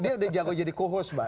dia udah jago jadi co host mbak